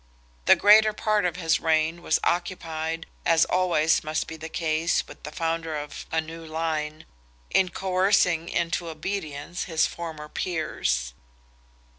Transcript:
The greater part of his reign was occupied, as always must be the case with the founder of a new line, in coercing into obedience his former peers.